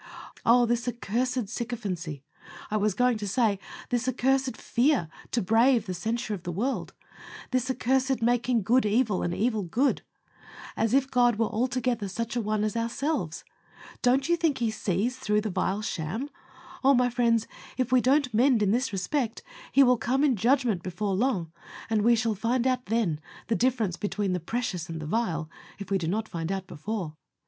Oh! this accursed sycophancy; I was going to say, this accursed fear to brave the censure of the world this accursed making good evil and evil good, as if God were altogether such an one as ourselves. Don't you think He sees through the vile sham? Oh! my friends, if we don't mend in this respect, He will come in judgment before long, and we shall find out then the difference between the precious and the vile, if we do not find out before.